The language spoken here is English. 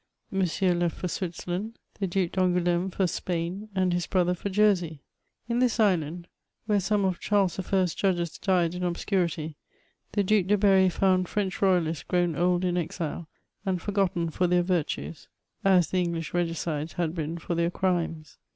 Monsieur left for Switzerland; the Duke d'Angoul^me for Spain, and his brother for Jersey. In this island, where some of Charles the first's judges died in obscurity, the Duke de Berry found French royalists grown old in exile, and forgotten for their virtues, as the English regicides had been for their crimes.